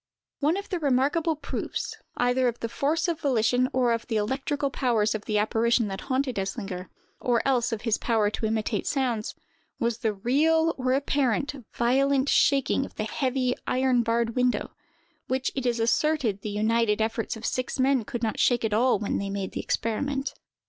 One of the most remarkable proofs, either of the force of volition or of the electrical powers of the apparition that haunted Eslinger, or else of his power to imitate sounds, was the real, or apparent, violent shaking of the heavy, iron barred window, which it is asserted the united efforts of six men could not shake at all when they made the experiment.